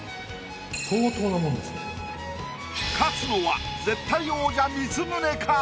勝つのは絶対王者光宗か？